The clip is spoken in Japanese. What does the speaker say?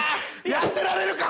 やってられるかよ